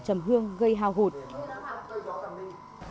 trầm hương gây hao hụt